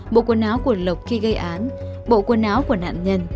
bộ quần áo của lộc khi gây án bộ quần áo của nạn nhân